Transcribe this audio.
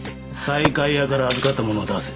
西海屋から預かったものを出せ。